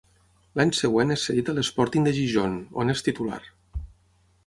L'any següent és cedit a l'Sporting de Gijón, on és titular.